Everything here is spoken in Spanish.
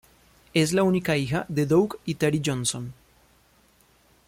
Es la única hija de Doug y Teri Johnson.